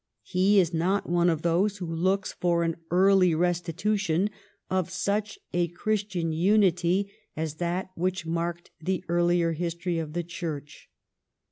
He is not one of those who look for an early restitu tion of such a Christian unity as that which marked the earlier history of the Church.